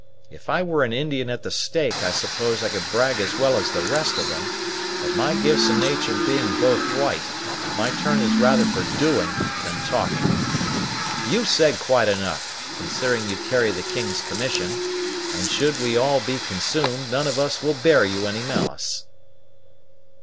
If I were an Indian at the stake, I suppose I could brag as well as the rest of them; but, my gifts and natur' being both white, my turn is rather for doing than talking. You've said quite enough, considering you carry the king's commission; and should we all be consumed, none of us will bear you any malice."